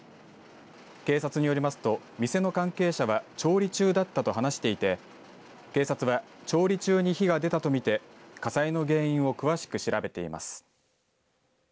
警察によりますと店の関係者は調理中だったと話していて警察は、調理中に火が出たと見て火災の原因を詳しく調べています。